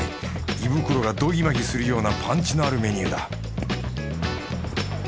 胃袋がドキマギするようなパンチのあるメニューだ